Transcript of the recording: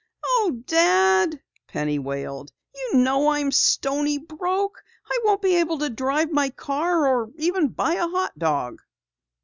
"Oh, Dad!" Penny wailed. "You know I'm stony broke! I won't be able to drive my car or even buy a hot dog!"